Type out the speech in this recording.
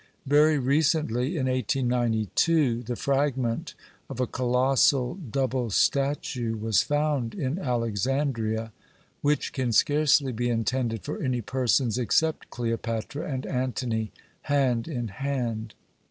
Very recently (in 1892) the fragment of a colossal double statue was found in Alexandria, which can scarcely be intended for any persons except Cleopatra and Antony hand in hand.